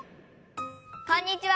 こんにちは！